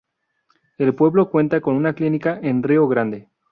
El pueblo cuenta con una clínica en Río Grande.